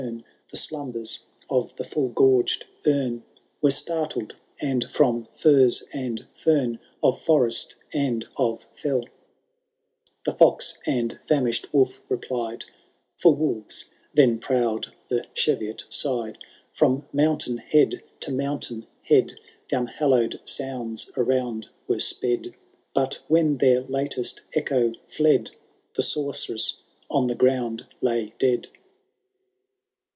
The slumbers of the frdl goxged erne Canto V, HAROLD THE 0AUNTLSS8. 181 Were startled, and from fiuze and fern Of forest and of fell» The fox and famish'd wolf replied, (For woWes then prowPd the Cheviot side,) From mountain head to momitain head The unhallowed sounds around were sped :^ But when their latest echo fled. The sorceress on the ground lay dead.